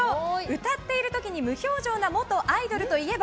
歌っている時に無表情な元アイドルといえば？